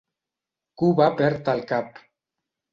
Cuba perd el cap.